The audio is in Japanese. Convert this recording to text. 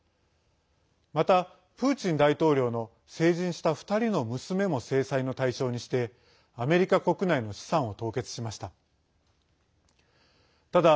また、プーチン大統領の成人した２人の娘も制裁の対象にしてアメリカ国内の資産を凍結しました。